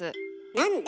なんで？